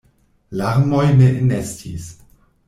Larmoj ne enestis.